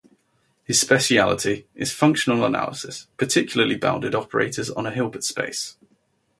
His specialty is functional analysis, particularly bounded operators on a Hilbert space.